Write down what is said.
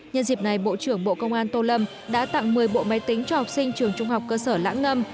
nhân dịp này bộ trưởng bộ công an tô lâm đã tặng một mươi bộ máy tính cho học sinh trường trung học cơ sở lãng ngâm